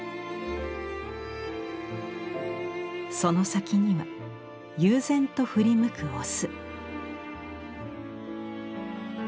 その先には悠然と振り向くオス。